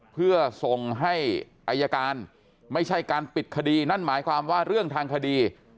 เพื่อส่งให้อายการไม่ใช่การปิดคดีนั่นหมายความว่าเรื่องทางคดี